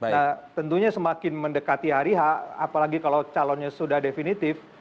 nah tentunya semakin mendekati hari apalagi kalau calonnya sudah definitif